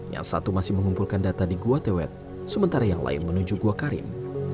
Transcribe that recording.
yang satu masih mengumpulkan data di gua tewet sementara yang lain menuju gua karim